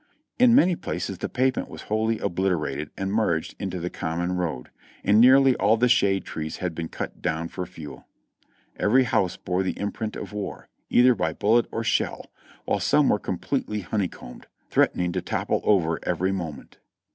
In many places the pavement was wholly obliterated and merged into the common road ; and nearly all the shade trees had been cut down for fuel. Every house bore the imprint of war, either by bullet or shell, while some were completely honeycombed, threatening to topple over every moment.